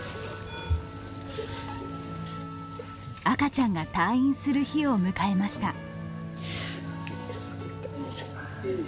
赤ちゃんが退院する日を迎えました。